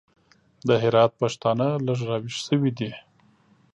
د هرات پښتانه لږ راوېښ سوي دي.